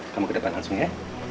kamu ke depan langsung ya